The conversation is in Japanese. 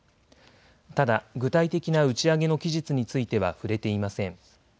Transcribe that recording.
ただ具体的な打ち上げの期日については触れていません。